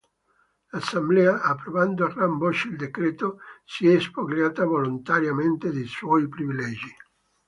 L'Assemblea, approvando a gran voce il decreto, si è spogliata volontariamente dei suoi privilegi.